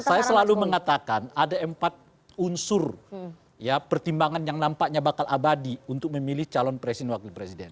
saya selalu mengatakan ada empat unsur ya pertimbangan yang nampaknya bakal abadi untuk memilih calon presiden wakil presiden